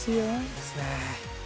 いいですね。